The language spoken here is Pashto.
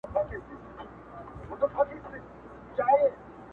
او ټولنيز جوړښتونه ثابت نه پاته کېږي